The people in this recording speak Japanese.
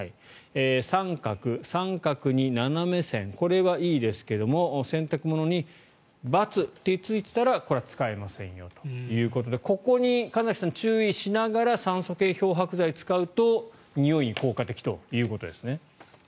三角、三角に斜め線これはいいですけども洗濯物に×とついていたらこれは使えませんよということでここに神崎さん、注意しながら酸素系漂白剤を使うとにおいに効果的ということですね。